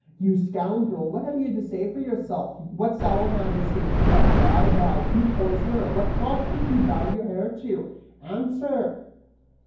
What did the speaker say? You scoundrel, what have you to say for yourself? What salamander singed off your eyebrows? You poisoner, what god did you vow your hair to? Answer!"